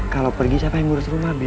kalau pergi siapa yang ngurus rumah